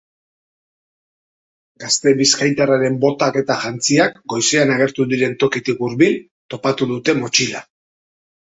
Gazte bizkaitarraren botak eta jantziak goizean agertu diren tokitik hurbil topatu dute motxila.